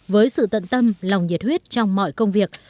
với sự tận tâm lòng nhiệt huyết trong mọi công việc